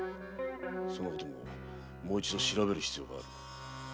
そのことももう一度調べる必要がある。